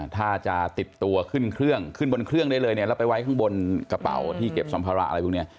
ถ้าจะติดตัวขึ้นเครื่องขึ้นบนเครื่องได้เลยเนี่ยแล้วไปไว้ข้างบนกระเป๋าที่เก็บสัมภาระอะไรพวกนี้